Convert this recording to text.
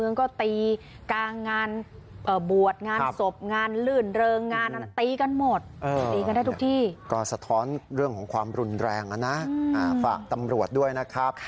นั่นอันตรายนั่นเหนือนกัน